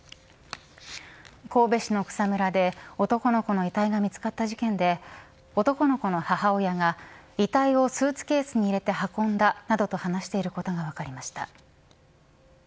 神戸市の草むらで男の子の遺体が見つかった事件で男の子の母親が遺体をスーツケースに入れて運んだなどと話していることが分かりました。